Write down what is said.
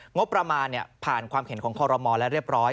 งบประมาณผ่านความเห็นของคอรมอลและเรียบร้อย